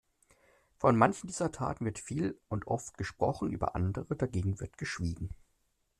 Von manchen dieser Taten wird viel und oft gesprochen, über andere dagegen wird geschwiegen.